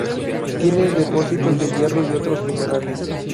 Tiene depósitos de hierro y otros minerales.